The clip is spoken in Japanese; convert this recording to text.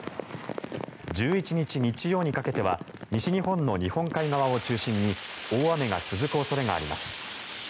１１日日曜にかけては西日本の日本海側を中心に大雨が続く恐れがあります。